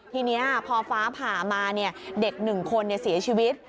ทีนี้พอฟ้าผ่ามาเด็ก๑คนเสียชีวิต